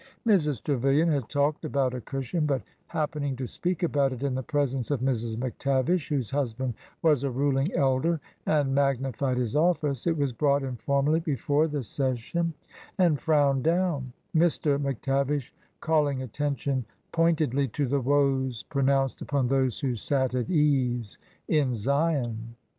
Mrs. Trevilian had talked about a cushion, but happen ing to speak about it in the presence of Mrs. McTavish, whose husband was a ruling elder and magnified his office, it was brought informally before the session and frowned down,— Mr. McTavish calling attention point edly to the woes pronounced upon those who sat at ease in Zion.